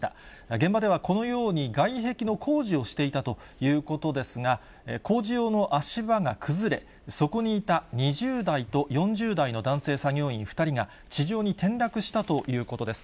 現場ではこのように、外壁の工事をしていたということですが、工事用の足場が崩れ、そこにいた２０代と４０代の男性作業員２人が、地上に転落したということです。